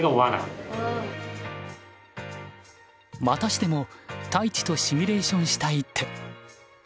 またしても太地とシミュレーションした一手。